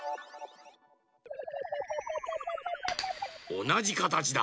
おなじかたちだ。